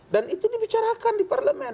dan itu dibicarakan di parlemen